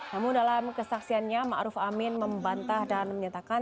namun dalam kesaksiannya ma'ruf amin membantah dan menyatakan